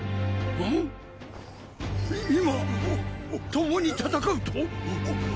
今共に戦うと？